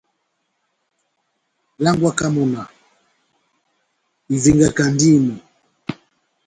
Langwaka mɔ́ náh ivengakandi mɔ́.